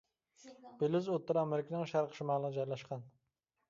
بېلىز ئوتتۇرا ئامېرىكىنىڭ شەرقىي شىمالىغا جايلاشقان.